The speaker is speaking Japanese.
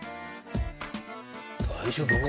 大丈夫か？